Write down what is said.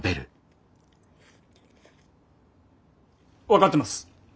分かってます。